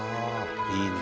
いいね。